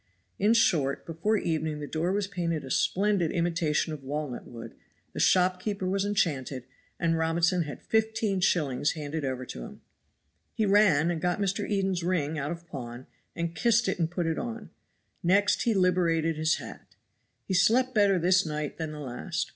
In short, before evening the door was painted a splendid imitation of walnut wood, the shopkeeper was enchanted, and Robinson had fifteen shillings handed over to him. He ran and got Mr. Eden's ring out of pawn, and kissed it and put it on; next he liberated his hat. He slept better this night than the last.